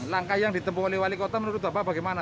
langkah yang ditempuh oleh wali kota menurut bapak bagaimana